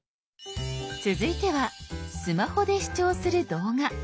続いてはスマホで視聴する動画。